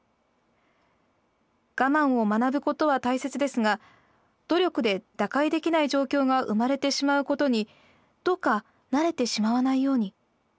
我慢を学ぶことは大切ですが努力で打開できない状況が生まれてしまうことにどうか慣れてしまわないように。